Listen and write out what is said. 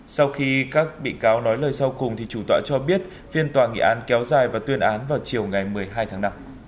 sau khi các bị cáo nói lời sau cùng chủ tọa cho biết phiên tòa nghị án kéo dài và tuyên án vào chiều ngày một mươi hai tháng năm